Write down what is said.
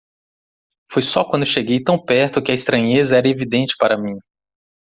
Foi só quando cheguei tão perto que a estranheza era evidente para mim.